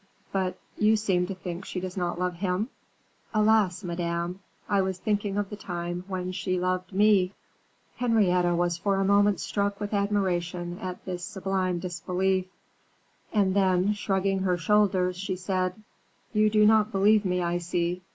"But you seem to think she does not love him!" "Alas, Madame, I was thinking of the time when she loved me." Henrietta was for a moment struck with admiration at this sublime disbelief: and then, shrugging her shoulders, she said, "You do not believe me, I see.